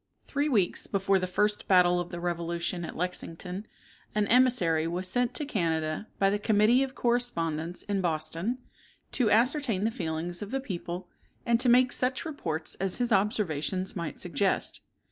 Three weeks before the first battle of the revolution at Lexington, an emissary was sent to Canada by the Committee of Correspondence in Boston, to ascertain the feelings of the people, and to make such reports as his observations might suggest.